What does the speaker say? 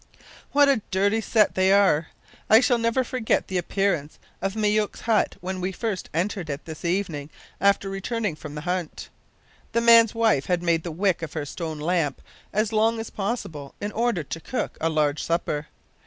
"What a dirty set they are! I shall never forget the appearance of Myouk's hut when we entered it this evening after returning from the hunt. The man's wife had made the wick of her stone lamp as long as possible in order to cook a large supper.